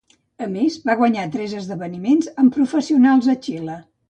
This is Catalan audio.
A més, va guanyar tres esdeveniments amb professionals a Xile.